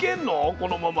このまま。